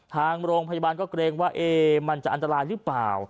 ทางโรงพยาบาลก็เกรงว่ามันจะอันตรายหรือเปล่า